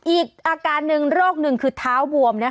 อีกอาการหนึ่งโรคหนึ่งคือเท้าบวม